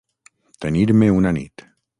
Tenir-me una nit.